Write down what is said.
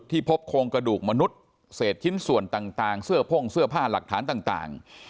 พบโครงกระดูกมนุษย์เศษชิ้นส่วนต่างเสื้อพ่งเสื้อผ้าหลักฐานต่าง